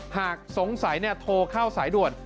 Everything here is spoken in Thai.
หากสงสัยโทรเข้าสายด่วน